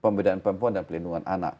pembedaan perempuan dan pelindungan anak